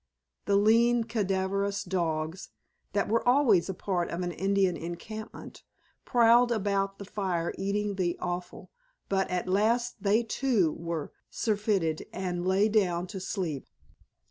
The lean, cadaverous dogs, that are always a part of an Indian encampment, prowled about the fire eating the offal, but at last they too were surfeited and lay down to sleep.